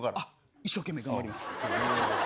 一生懸命、頑張ります。